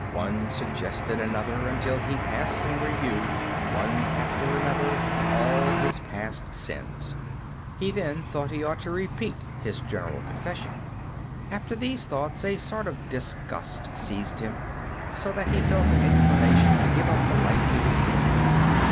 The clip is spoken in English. One suggested another, until he passed in review, one after another, all his past sins. He then thought he ought to repeat his general confession. After these thoughts a sort of disgust seized him, so that he felt an inclination to give up the life he was leading.